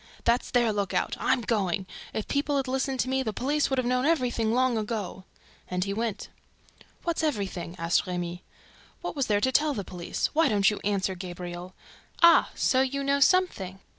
"That's their lookout! I'm going! If people had listened to me, the police would have known everything long ago!" And he went. "What's everything?" asked Remy. "What was there to tell the police? Why don't you answer, Gabriel? ... Ah, so you know something!